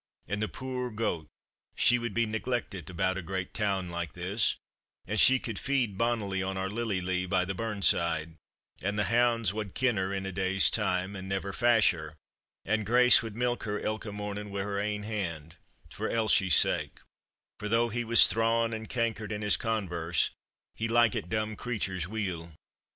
And the puir goat, she would be negleckit about a great toun like this; and she could feed bonnily on our lily lea by the burn side, and the hounds wad ken her in a day's time, and never fash her, and Grace wad milk her ilka morning wi' her ain hand, for Elshie's sake; for though he was thrawn and cankered in his converse, he likeit dumb creatures weel."